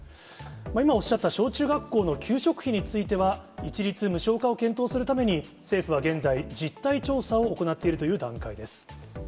今おっしゃった小中学校の給食費については、一律無償化を検討するために、政府は現在、実態調査を行っているという段階です。